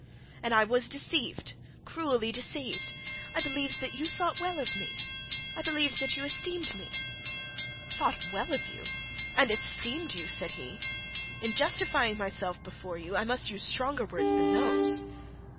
And I was deceived, cruelly deceived. I believed that you thought well of me; I believed that you esteemed me.' 'Thought of you well and esteemed you!' said he. 'In justifying myself before you, I must use stronger words than those.'